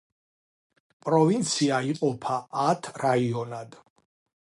პროვინცია იყოფა ათ რაიონად.